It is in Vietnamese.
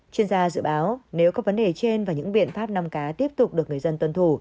chuyên gia dự báo nếu các vấn đề trên và những biện pháp năm cá tiếp tục được người dân tuân thủ